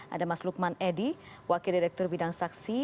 ada mas lukman edi wakil direktur bidang saksi